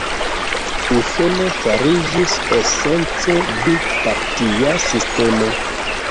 Usono fariĝis esence du-partia sistemo.